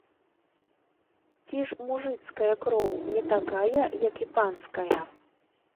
Ці ж мужыцкая кроў не такая, як і панская?